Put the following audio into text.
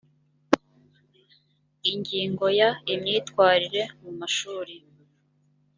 ingingo ya imyitwarire mu mashuri